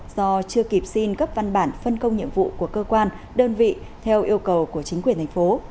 do chưa kịp xin cấp văn bản phân công nhiệm vụ của cơ quan đơn vị theo yêu cầu của chính quyền thành phố